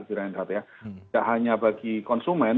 tidak hanya bagi konsumen